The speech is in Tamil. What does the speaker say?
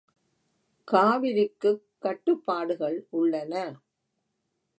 காவிரிக்குக் கட்டுப்பாடுகள் உள்ளன.